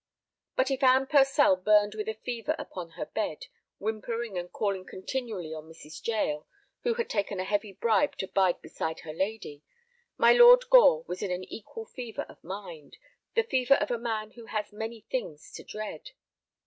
But if Anne Purcell burned with a fever upon her bed, whimpering and calling continually on Mrs. Jael, who had taken a heavy bribe to bide beside her lady, my Lord Gore was in an equal fever of mind, the fever of a man who has many things to dread.